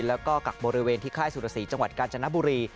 แล้วก็กักบริเวณที่ค่ายสุรสีจังหวัดกาญจนบุรี